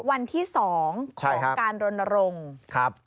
วันที่๒ของการรณรงค์